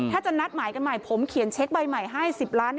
ถ้าจะนัดหมายกันใหม่ผมเขียนเช็คใบใหม่ให้๑๐ล้าน